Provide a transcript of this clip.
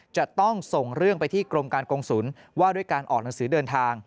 จะต้องส่งเรื่องไปที่กรมการกงศูนย์ว่าด้วยการออกหนังสือเดินทาง